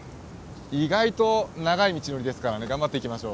意外と長い道のりですからね頑張っていきましょう。